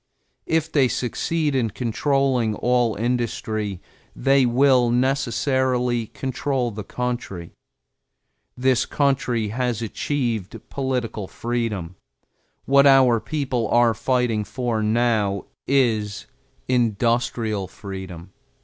If they succeed in controlling all industry, they will necessarily control the country. This country has achieved political freedom; what our people are fighting for now is industrial freedom.